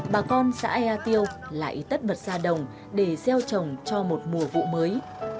bà con xã ea tiêu lại tất vật ra đồng để gieo chồng cho một mùa vụ mới